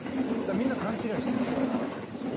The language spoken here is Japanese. みんな勘違いしてるだけで。